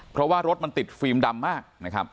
เพราะว่ารถมันติดฟิล์มดำมาก